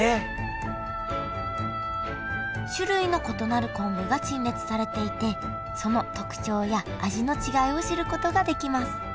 種類の異なる昆布が陳列されていてその特徴や味の違いを知ることができます